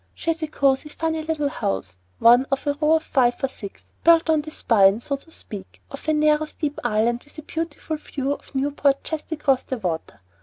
She has a cosey, funny little house, one of a row of five or six, built on the spine, so to speak, of a narrow, steep island, with a beautiful view of Newport just across the water.